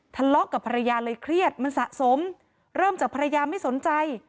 ทะเลาะกับภรรยาเลยเครียดมันสะสมเริ่มจากภรรยาไม่สนใจ